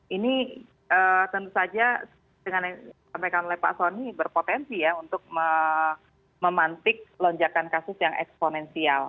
ini tentu saja dengan yang disampaikan oleh pak soni berpotensi ya untuk memantik lonjakan kasus yang eksponensial